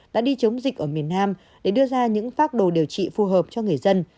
đã đi chống dịch ở miền nam để đưa ra những phác đồ điều trị phù hợp cho người dân